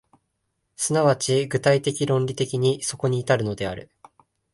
即ち具体的論理的にそこに至るのである。